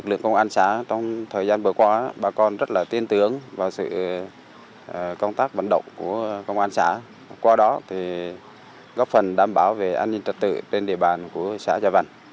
công an xã qua đó góp phần đảm bảo về an ninh trật tự trên địa bàn của xã gia văn